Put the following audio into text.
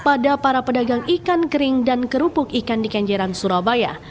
pada para pedagang ikan kering dan kerupuk ikan di kenjeran surabaya